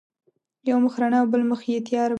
یو مخ رڼا او بل مخ یې تیار وي.